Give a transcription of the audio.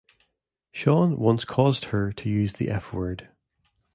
Sean once caused her to use the F-word.